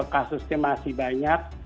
kasusnya masih banyak